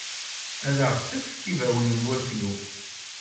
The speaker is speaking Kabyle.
Ad aɣ-d-tefk ibawen n waklu.